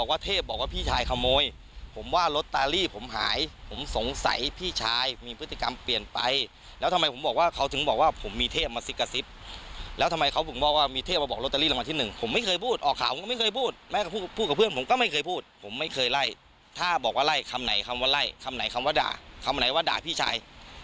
คำไหนคำว่าไล่คำไหนคำว่าด่าคำไหนว่าด่าพี่ชาย